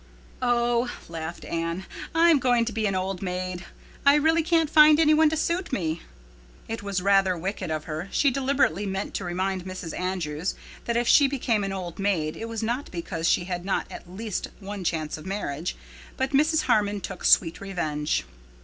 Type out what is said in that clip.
"Oh," laughed Anne, "I am going to be an old maid. I really can't find any one to suit me." It was rather wicked of her. She deliberately meant to remind Mrs. Andrews that if she became an old maid it was not because she had not had at least one chance of marriage. But Mrs. Harmon took swift revenge.